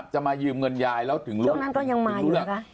จะมายืมเงินยายแล้วถึงรู้ช่วงนั้นก็ยังมาอยู่นะคะ